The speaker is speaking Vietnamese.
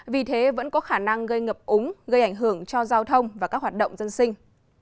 vì thế vẫn có khả năng gây ngập úng gây ảnh hưởng cho giao thông và các hoạt động dân sinh